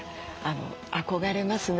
憧れますね。